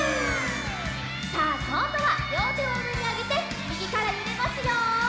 さあこんどはりょうてをうえにあげてみぎからゆれますよ！